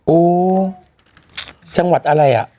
โอ้จังหวัดอะไรอ่ะ